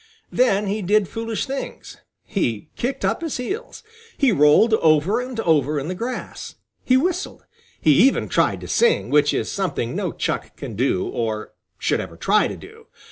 Then he did foolish things. He kicked up his heels. He rolled over and over in the grass. He whistled. He even tried to sing, which is something no Chuck can do or should ever try to do.